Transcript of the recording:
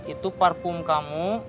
itu parfum kamu